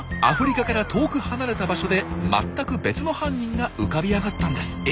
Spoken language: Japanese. アフリカから遠く離れた場所で全く別の犯人が浮かび上がったんです。